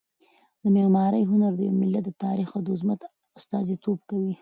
د معمارۍ هنر د یو ملت د تاریخ او عظمت استازیتوب کوي.